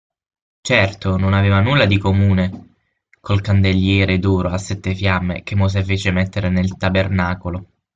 Certo, non aveva nulla di comune col candeliere d'oro a sette fiamme, che Mosè fece mettere nel Tabernacolo.